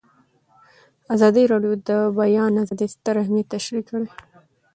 ازادي راډیو د د بیان آزادي ستر اهميت تشریح کړی.